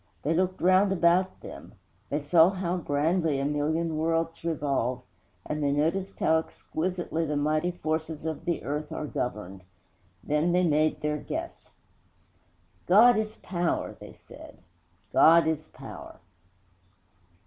They looked round about them; they saw how grandly a million worlds revolve, and they noticed how exquisitely the mighty forces of the earth are governed. Then they made their guess. 'God is Power,' they said, '_God is Power!